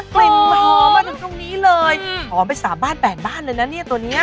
กลิ่นหอมมาถึงตรงนี้เลยหอมไป๓บ้าน๘บ้านเลยนะเนี่ยตัวเนี้ย